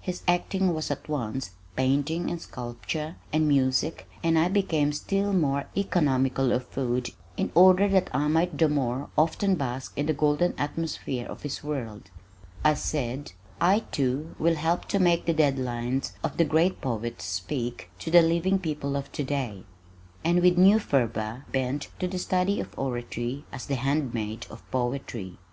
His acting was at once painting and sculpture and music and I became still more economical of food in order that I might the more often bask in the golden atmosphere of his world. I said, "I, too, will help to make the dead lines of the great poets speak to the living people of today," and with new fervor bent to the study of oratory as the handmaid of poetry.